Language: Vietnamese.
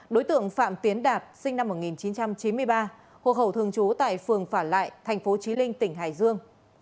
đối tượng phạm tiến đạt sinh năm một nghìn chín trăm chín mươi ba hộ khẩu thường trú tại phường phả lại thành phố trí linh tỉnh hải dương